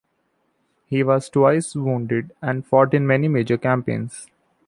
He was twice wounded and fought in many major campaigns.